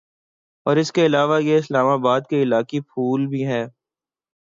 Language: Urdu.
اور اس کے علاوہ یہ اسلام آباد کا علاقائی پھول بھی ہے